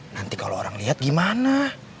nanti kalau orang lihat gimana